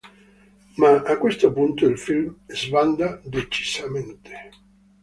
Ma a questo punto il film sbanda decisamente.